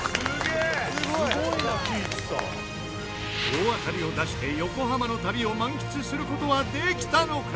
大当たりを出して横浜の旅を満喫する事はできたのか？